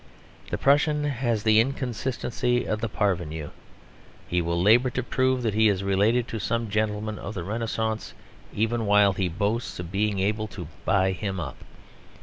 The Prussian has the inconsistency of the parvenu; he will labour to prove that he is related to some gentleman of the Renaissance, even while he boasts of being able to "buy him up."